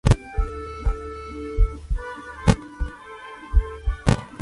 Otro principio de refuerzo es el refuerzo intermitente.